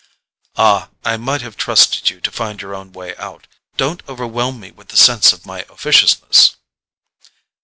"Ah, I might have trusted you to find your own way out—don't overwhelm me with the sense of my officiousness!"